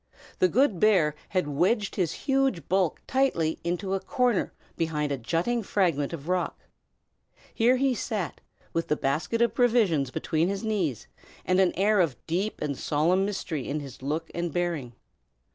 The good bear had wedged his huge bulk tightly into a corner behind a jutting fragment of rock. Here he sat, with the basket of provisions between his knees, and an air of deep and solemn mystery in his look and bearing.